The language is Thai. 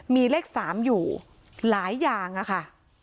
มีเลข๓อยู่หลายอย่างอะค่ะ